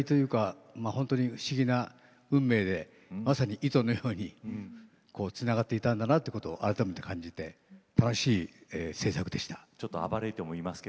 不思議な運命でまさに糸のようにつながっていったんだなということを改めて感じています。